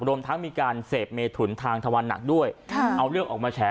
รวมทั้งมีการเสพเมถุนทางทวันหนักด้วยเอาเรื่องออกมาแฉ